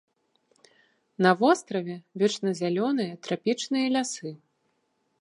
На востраве вечназялёныя трапічныя лясы.